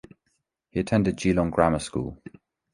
He attended Geelong Grammar School.